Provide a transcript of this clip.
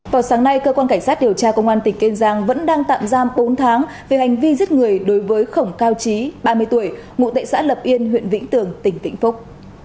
vào sáng nay cơ quan cảnh sát điều tra công an tỉnh kiên giang vẫn đang tạm giam bốn tháng về hành vi giết người đối với khổng cao trí ba mươi tuổi ngụ tệ xã lập yên huyện vĩnh tường tỉnh vĩnh phúc